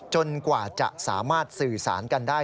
กว่าจะสามารถสื่อสารกันได้